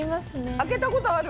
開けたことある？